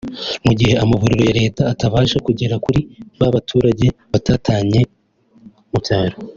mu gihe amavuriro ya leta atabasha kugera kuri ba baturage batatanye mu byaro